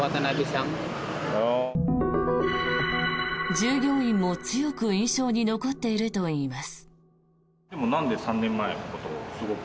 従業員も強く印象に残っているといいます。